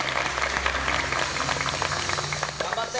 頑張って！